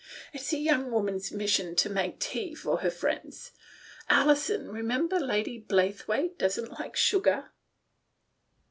"It's a young woman's mission to make tea for her friends. Alison, remember Lady Blaythewaite doesn't like sugar."